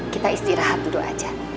kita istirahat duduk aja